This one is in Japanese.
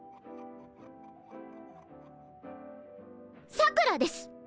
さくらです！